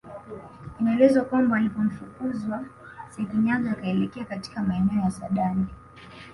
Inaelezwa kwamba alipomfukuzwa Sekinyaga akaelekea katika maeneo ya Sadani